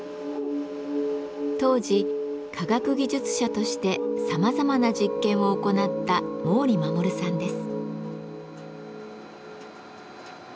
当時科学技術者としてさまざまな実験を行った毛利衛さんです。